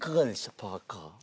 パーカー。